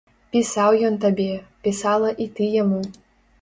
Пісаў ён табе, пісала і ты яму.